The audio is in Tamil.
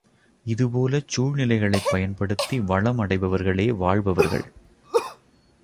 இதுபோலச் சூழ்நிலைகளைப் பயன்படுத்தி வளம் அடைபவர்களே வாழ்பவர்கள்.